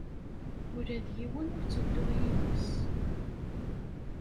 Ula d yiwen ur ttedduɣ yid-s.